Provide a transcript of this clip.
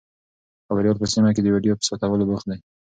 خبریال په سیمه کې د ویډیو په ثبتولو بوخت دی.